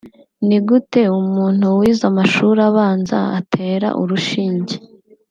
ni gute umuntu wize amashuri abanza atera urushinge